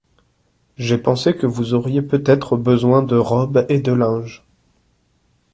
J’ai pensé que vous auriez peut-être besoin de robes et de linge.